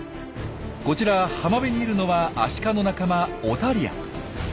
こちら浜辺にいるのはアシカの仲間オタリア。